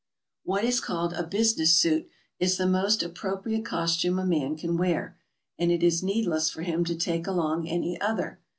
What is called a business suit is the most appropriate costume a man can wear, and it is needless for him to take along any other.